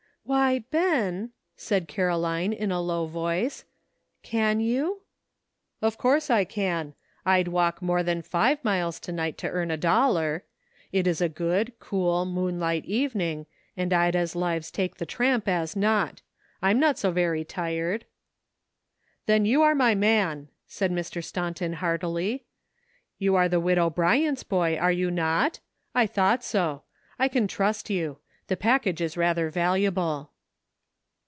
"Why, Ben," said Caroline, in a low voice, "can you?" "Of course I can. I'd walk more than five miles to night to earn a dollar. It is a good, cool, moonlight evening, and I'd as lives take the tramp as not. I'm not so very tired." " Then you are my man," said Mr. Staunton heartily. " You are the Widow Bryant's boy, are you not ? I thought so. I can trust you. The package is rather valuable."